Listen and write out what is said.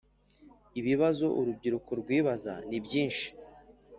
Ibibazo urubyiruko rwibaza ni byinshi